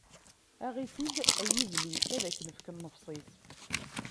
Aɣ-itt-id a yiblis, ad ak-nefk nnefṣ-is!